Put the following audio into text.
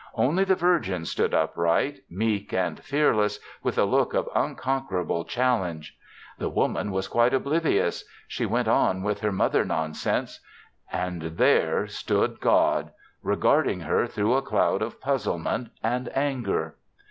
Only the Virgin stood upright, meek and fearless, with a look of unconquerable challenge. The Woman was quite oblivious; she went on with her mother nonsense. And there stood God regarding her through a cloud of puzzlement and anger.